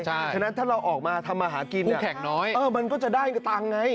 ฉะนั้นถ้าเราออกมาทำมาหากินน้อยมันก็จะได้ตังค์ไง